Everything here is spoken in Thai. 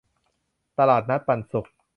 ตลาดนัดปันสุข